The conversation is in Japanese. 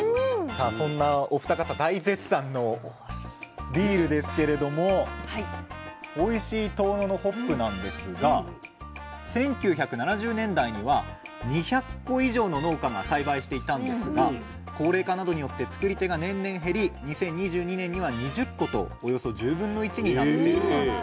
さあそんなお二方大絶賛のビールですけれどもおいしい遠野のホップなんですが１９７０年代には２００戸以上の農家が栽培していたんですが高齢化などによって作り手が年々減り２０２２年には２０戸とおよそ１０分の１になっています。